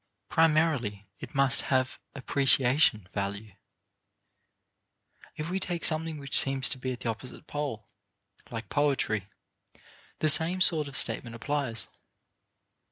Primarily it must have "appreciation value." If we take something which seems to be at the opposite pole, like poetry, the same sort of statement applies.